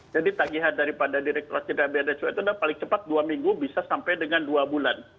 jadi tagihan daripada direktur jendela biacukai itu paling cepat dua minggu bisa sampai dengan dua bulan